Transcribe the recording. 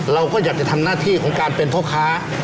เราก็อยากจะทำหน้าที่ของการเป็นพ่อค้า